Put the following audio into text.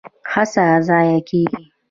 هڅه ضایع کیږي؟